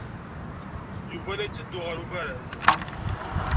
Yuba la yetteddu ɣer ubaraz.